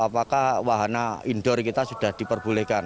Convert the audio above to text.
apakah wahana indoor kita sudah diperbolehkan